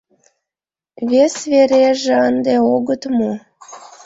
Вес вереже ынде огыт му.